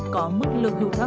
có mức lương hưu thấp